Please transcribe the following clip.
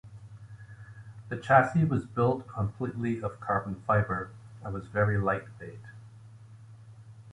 The chassis was built completely of carbon fibre, and was very lightweight.